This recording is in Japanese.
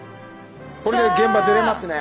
これで現場出れますね。